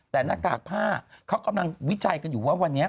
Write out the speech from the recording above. แต่หน้ากากผ้าเขากำลังวิจัยกันอยู่ว่าวันนี้